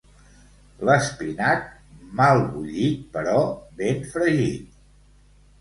L'espinac, mal bullit, però ben fregit.